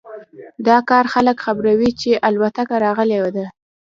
دا کار خلک خبروي چې الوتکه راغلی ده